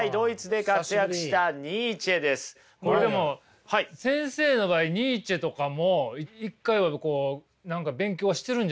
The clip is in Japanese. これでも先生の場合ニーチェとかも一回はこう何か勉強はしてるんじゃないですか？